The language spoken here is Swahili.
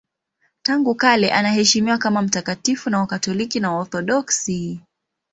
Tangu kale anaheshimiwa kama mtakatifu na Wakatoliki na Waorthodoksi.